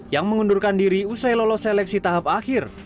yang mengundurkan diri usai lolos seleksi tahap akhir